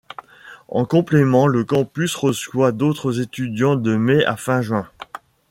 En complément le campus reçoit d'autres étudiants de mai à fin juin.